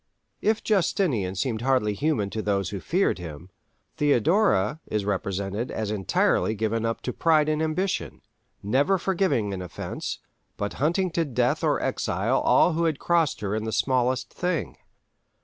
If Justinian seemed hardly human to those who feared him, Theodora is represented as entirely given up to pride and ambition, never forgiving an offence, but hunting to death or exile all who had crossed her in the smallest thing.